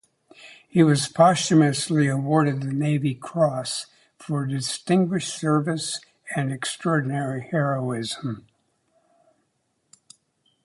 He was posthumously awarded the Navy Cross for "distinguished service and extraordinary heroism".